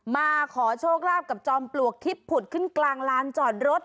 มาขอโชคลาภกับจอมปลวกที่ผุดขึ้นกลางลานจอดรถ